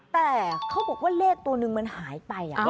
แต่เขาบอกว่าเลขตัวหนึ่งมันหายไป